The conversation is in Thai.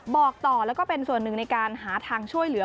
บอกต่อแล้วก็เป็นส่วนหนึ่งในการหาทางช่วยเหลือ